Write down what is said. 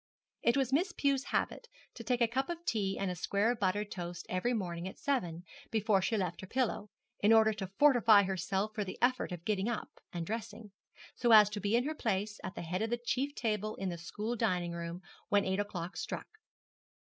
It was Miss Pew's habit to take a cup of tea and a square of buttered toast every morning at seven, before she left her pillow; in order to fortify herself for the effort of getting up and dressing, so as to be in her place, at the head of the chief table in the school dining room, when eight o'clock struck.